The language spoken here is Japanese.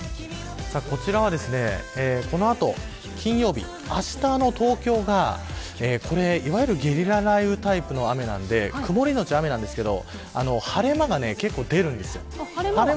こちらはこの後金曜日、あしたの東京がいわゆるゲリラ雷雨タイプの雨なんで曇りのち雨なんですが晴れ間が結構出るんです。